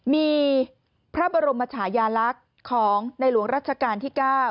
มีพระบรมชายาลักษณ์ของในหลวงรัชกาลที่๙